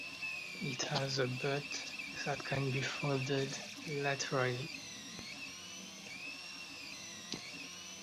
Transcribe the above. It has a butt that can be folded laterally.